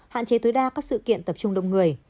hạn chế tối đa các sự kiện tập trung đông người